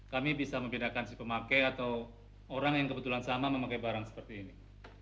kami bisa membedakan si pemakai atau orang yang kebetulan sama memakai barang seperti ini